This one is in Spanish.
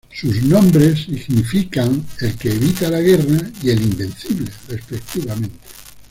Sus nombres significan "el que evita la guerra" y "el invencible" respectivamente.